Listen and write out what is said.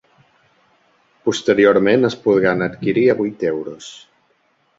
Posteriorment es podran adquirir a vuit euros.